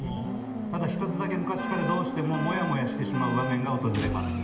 ただ１つだけ昔からどうしてもモヤモヤしてしまう場面が訪れます。